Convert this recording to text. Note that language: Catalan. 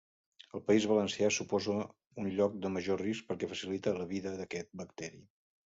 El País Valencià suposa un lloc de major risc perquè facilita la vida d'aquest bacteri.